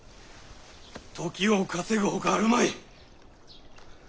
時を稼ぐほかあるまい。